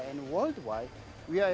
dan di seluruh dunia